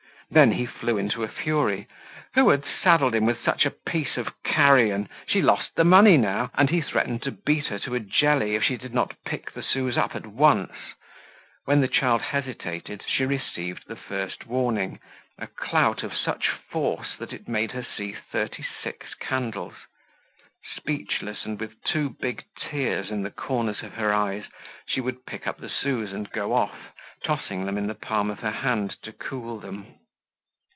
Then he flew into a fury. Who had saddled him with such a piece of carrion? She lost the money now! And he threatened to beat her to a jelly if she did not pick the sous up at once. When the child hesitated she received the first warning, a clout of such force that it made her see thirty six candles. Speechless and with two big tears in the corners of her eyes, she would pick up the sous and go off, tossing them in the palm of her hand to cool them.